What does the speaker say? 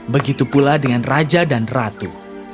begitu pula dengan raja dan ratu